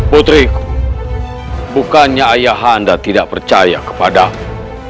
putri bukannya ayah handa tidak percaya kepada aku